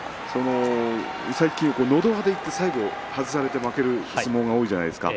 最近、のど輪でいって最後外される相撲が多いじゃないですか。